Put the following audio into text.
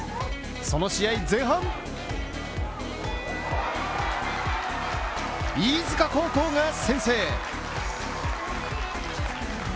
その試合前半、飯塚高校が先制。